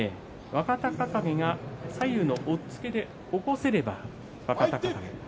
若隆景が左右の押っつけで起こせれば若隆景です。